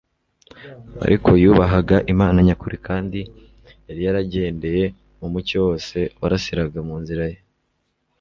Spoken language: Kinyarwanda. ariko yubahaga Imana nyakuri kandi yari yaragendeye mu mucyo wose warasiraga mu nzira ye